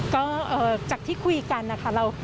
ก็จากที่คุยกันนะคะ